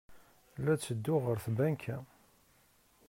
La ttedduɣ ɣer tbanka.